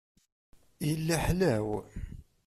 Yella ḥlaw.